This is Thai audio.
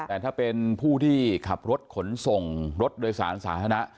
แต่ถ้าเป็นผู้ที่ขับรถขนส่งรถโดยสารสาธารณะ